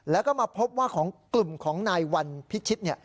แล้วก็มาพบว่าของกลุ่มของนายวันพิชิต